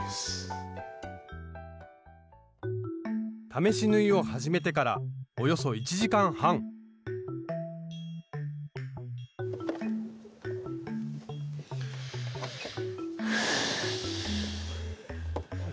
試し縫いを始めてからおよそ１時間半ふう。